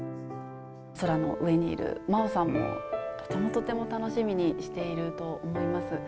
空の上にいる麻央さんも、とてもとても楽しみにしていると思います。